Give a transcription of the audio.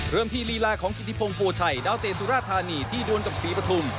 เริ่มที่ลีล่าของกิธิพงษ์โภชัยดาวเตสุราธานีที่ด้วนกับศรีปฐุม